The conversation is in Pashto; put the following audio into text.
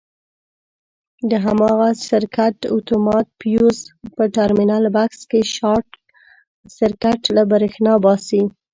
د هماغه سرکټ اتومات فیوز په ټرمینل بکس کې شارټ سرکټ له برېښنا باسي.